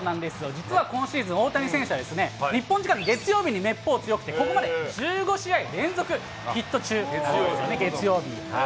実は今シーズン、大谷選手は、日本時間の月曜日にめっぽう強くて、ここまで１５試合連続ヒット中なんですよね、月曜日に。